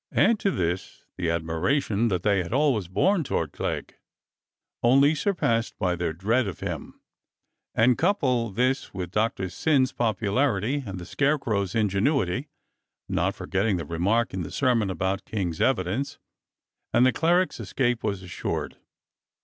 Add to this the admiration that they had always borne toward Clegg, only surpassed by their dread of him, and couple this with Doctor Syn's popularity and the Scarecrow's ingenuity, not forgetting the remark in the sermon about King's evidence, and the cleric's escape was assured.